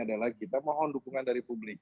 adalah kita mohon dukungan dari publik